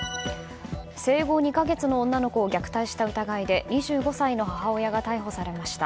生後２か月の女の子を虐待した疑いで２５歳の母親が逮捕されました。